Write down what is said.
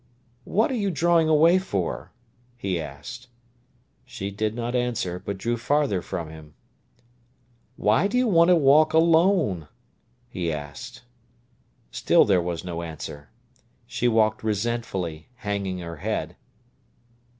"What are you drawing away for?" he asked. She did not answer, but drew farther from him. "Why do you want to walk alone?" he asked. Still there was no answer. She walked resentfully, hanging her head.